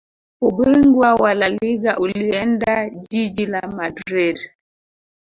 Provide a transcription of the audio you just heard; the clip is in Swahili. Ubingwa wa laliga ulienda jiji la madrid